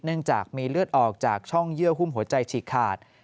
เนื่องจากมีเลือดออกจากช่องเยื่อหุ้มหัวใจฉีกขาด